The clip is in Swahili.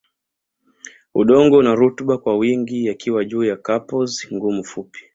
Udongo una rutuba kwa wingi yakiwa juu ya carpaous ngumu fupi